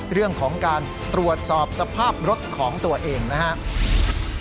เรื่องของการตรวจสอบสภาพรถของตัวเองนะครับ